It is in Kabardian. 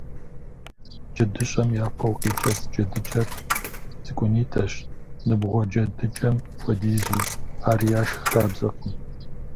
Джэдыщӏэм япэу къикӏэцӏ джэдыкӏэр цӏыкӏунитӏэщ, ныбгъуэ джэдыкӏэм хуэдизу, ар яшх хабзэкъым.